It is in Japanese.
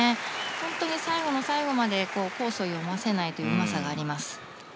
本当に最後の最後までコースを読ませないといううまさがあります。